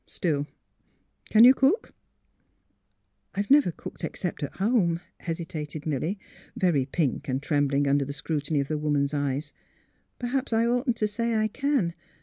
Still. Can you cook? "*' I've never cooked except at home," hesitated Milly, very pink and trembling under the scrutiny of the woman's eyes; " perhaps I oughtn't to say I can.